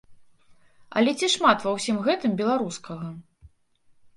Але ці шмат ва ўсім гэтым беларускага?